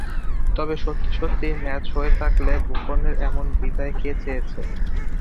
তবে সত্যি সত্যিই শেষ ম্যাচ হয়ে থাকলে বুফনের এমন বিদায় কে চেয়েছে।